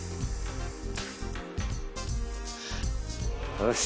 よし。